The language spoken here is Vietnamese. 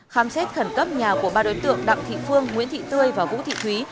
khám xét khẩn cấp nhà của ba đối tượng đặng thị phương nguyễn thị tươi và vũ thị thúy